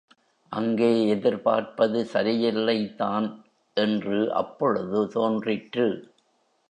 அங்கே எதிர்பார்ப்பது சரியில்லைதான் என்று அப்பொழுது தோன்றிற்று.